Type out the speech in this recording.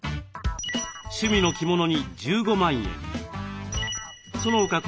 趣味の着物に１５万円。